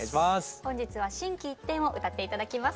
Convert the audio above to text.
本日は「心機一転」を歌って頂きます。